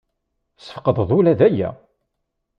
Tesfeqdeḍ ula d aya?